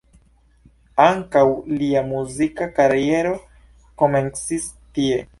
Ankaŭ lia muzika kariero komencis tie.